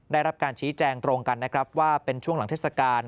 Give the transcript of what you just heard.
ได้รับการชี้แจงตรงกันนะครับว่าเป็นช่วงหลังเทศกาล